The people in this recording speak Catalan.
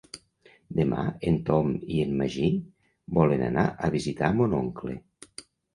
Demà en Tom i en Magí volen anar a visitar mon oncle.